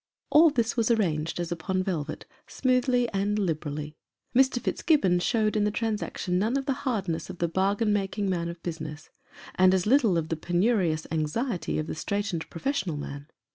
All this was arranged as upon velvet, smoothly and liberally. Mr. Fitzgibbon showed in the transaction none of the hardness of the bargain making man of business, and as little of the penurious anxiety of the straitened professional mau.